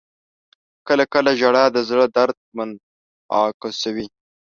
• کله کله ژړا د زړه درد منعکسوي.